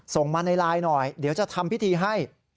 ส่งมาในไลน์หน่อยเดี๋ยวจะทำพิธีให้